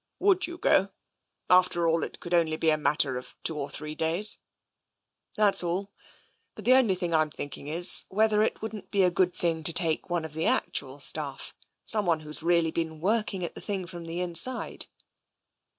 " Would you go? After all, it could only be a mat ter of two or three days." '* That's all. But the only thing I'm thinking is, whether it wouldn't be a good thing to take one of the actual staff — someone who's really been working the thing from the inside."